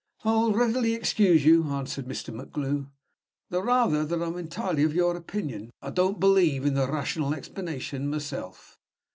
"I'll readily excuse you," answered Mr. MacGlue; "the rather that I'm entirely of your opinion. I don't believe in the rational explanation myself."